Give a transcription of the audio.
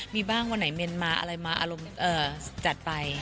มีบ้างวันไหนเมียนมาอะไรมาอารมณ์จัดไป